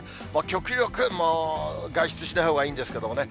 極力、外出しない方がいいんですけどもね。